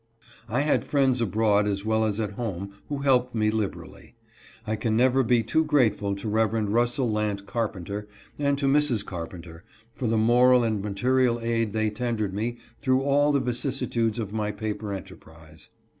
I had friends abroad as well as at home who helped me liberally. I can never be too grateful to Rev. Russell Lant Carpenter and to Mrs. Carpenter for the moral and material aid they tendered me through all the vicissi tudes of my paper enterprise.